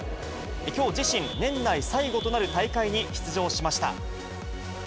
きょう、自身年内最後となる大会に出場しました。